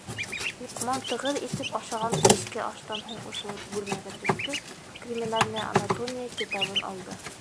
Лоҡман тығыҙ итеп ашаған киске аштан һуң ошо бүлмәгә төштө, «Криминальная анатомия» китабын алды...